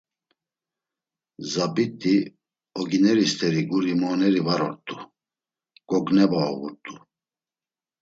Zabit̆i, ogineri st̆eri guri mooneri var ort̆u. Gogneba uğurt̆u.